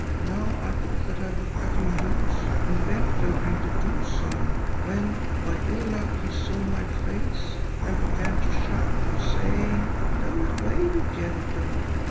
Now I thought that I would cut him loose, and bent over him to do so, when by ill luck he saw my face and began to shout, saying, "'Go away, you yellow devil.